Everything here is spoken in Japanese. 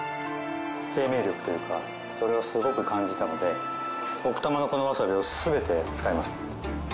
生命力というかそれをすごく感じたので奥多摩のこのわさびを全て使います。